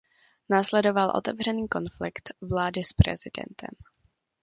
Následoval otevřený konflikt vlády s prezidentem.